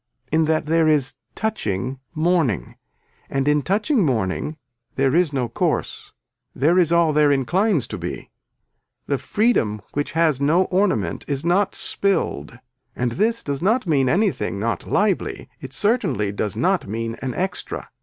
In that there is touching morning and in touching morning there is no course. There is all there inclines to be. The freedom which has no ornament is not spilled and this does not mean anything not lively, it certainly does not mean an extra.